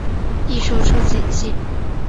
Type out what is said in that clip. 一说出自己姓。